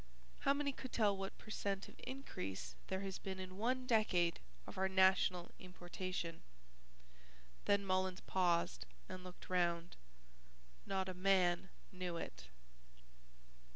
How many could tell what per cent. of increase there has been in one decade of our national importation?" then Mullins paused and looked round. Not a man knew it.